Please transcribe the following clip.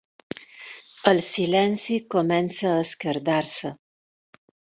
El silenci comença a esquerdar-se.